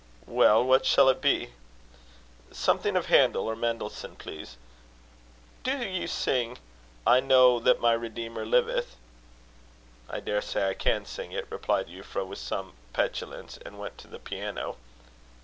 "Well, what shall it be?" "Something of Handel or Mendelssohn, please. Do you sing, 'I know that my Redeemer liveth?'" "I daresay I can sing it," replied Euphra, with some petulance; and went to the piano.